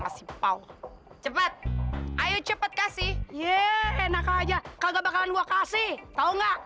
apa itu kamu katakan saya sedeng